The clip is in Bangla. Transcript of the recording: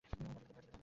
তাকে খুঁজে পাবে।